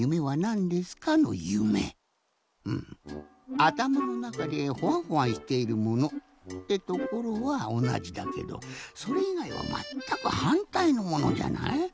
あたまのなかでホワンホワンしているものってところはおなじだけどそれいがいはまったくはんたいのものじゃない？